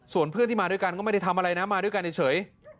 ส่วนเพื่อนที่มาด้วยกันก็ไม่ได้ทำอะไรนะมาด้วยกันเฉย